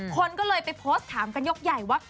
คนก็เลยไปโพสต์ถามกันยกใหญ่ว่า